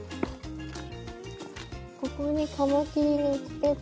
ここにカマキリ見つけた。